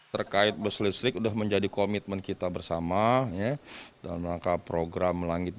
terkait bus listrik sudah menjadi komitmen kita bersama dalam rangka program langit